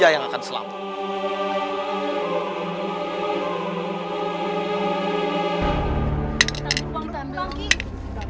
yang paling banyak menyerahkan hartanya